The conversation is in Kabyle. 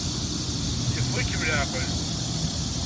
Yeffeɣ-ikem leɛqel.